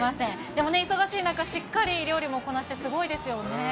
でもね、忙しい中、しっかり料理もこなして、すごいですよね。